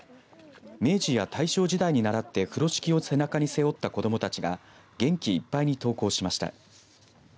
明治や大正時代にならって風呂敷を背中に背負った子どもたちが元気いっぱいに登校しました。